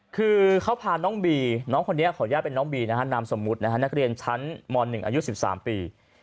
คือเขาพาน้องบีน้องคนนี้ขออนุญาตเป็นน้องบีนะฮะนามสมมุตินะฮะนักเรียนชั้นม๑อายุ๑๓ปี